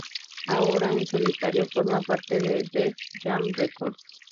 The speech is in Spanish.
Ahora en solitario forma parte de Def Jam Records.